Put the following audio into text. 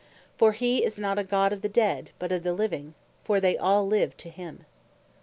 For he is not a God of the Dead, but of the Living; for they all live to him."